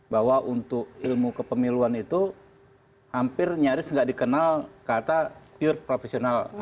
bahwa untuk ilmu kepemiluan itu hampir nyaris nggak dikenal kata pure profesional